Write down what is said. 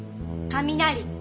「雷」。